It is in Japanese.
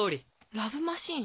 「ラブ・マシーン」？